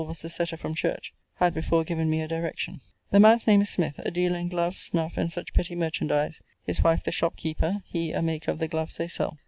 was the setter from church) had before given me a direction. The man's name is Smith, a dealer in gloves, snuff, and such petty merchandize: his wife the shopkeeper: he a maker of the gloves they sell.